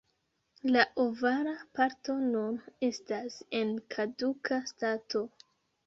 La ovala parto nun estas en kaduka stato.